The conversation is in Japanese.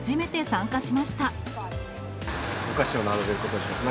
お菓子を並べることにしました。